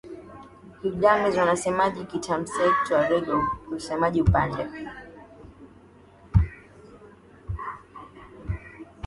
Kighadames wasemaji Kitamascheq Tuareg wasemaji Upande